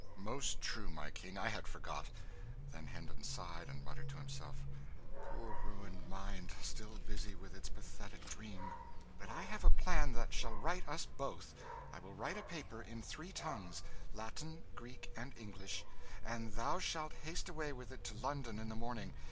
"Most true, my King, I had forgot." Then Hendon sighed, and muttered to himself, "Poor ruined mind still busy with its pathetic dream." "But I have a plan that shall right us both I will write a paper, in three tongues Latin, Greek and English and thou shalt haste away with it to London in the morning.